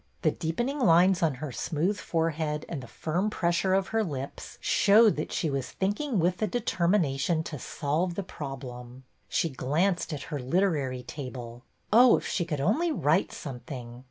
The deepening lines on her smooth forehead and the firm pressure of her lips showed that she was thinking with the determination to solve the problem. She glanced at her literary table." Oh, if she could only write something!